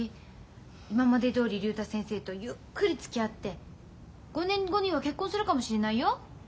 今までどおり竜太先生とゆっくりつきあって５年後には結婚するかもしれないよ？